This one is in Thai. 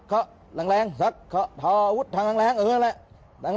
ความสุขความอรุณมีมาก